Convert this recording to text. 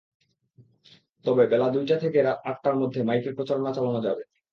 তবে বেলা দুইটা থেকে রাত আটটার মধ্যে মাইকে প্রচারণা চালানো যাবে।